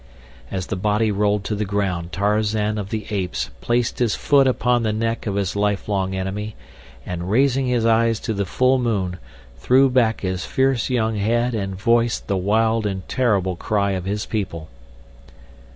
As the body rolled to the ground Tarzan of the Apes placed his foot upon the neck of his lifelong enemy and, raising his eyes to the full moon, threw back his fierce young head and voiced the wild and terrible cry of his people.